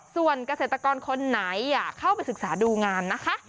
ส่วนเกษตรกรคนไหนอยากเข้าไปศึกษาดูงานนะคะ